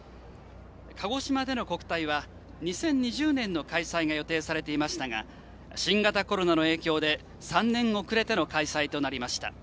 鹿児島での国体は２０２０年の開催が予定されていましたが新型コロナの影響で３年遅れての開催となりました。